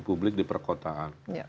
publik di perkotaan